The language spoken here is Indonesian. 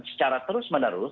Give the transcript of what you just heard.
secara terus menerus